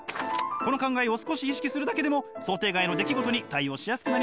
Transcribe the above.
この考えを少し意識するだけでも想定外の出来事に対応しやすくなりますよ！